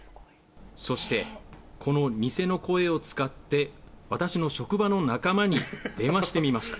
そして、この偽の声を使って、私の職場の仲間に電話してみました。